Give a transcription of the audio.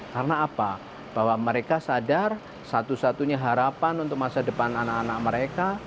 karena apa bahwa mereka sadar satu satunya harapan untuk masa depan anak anak mereka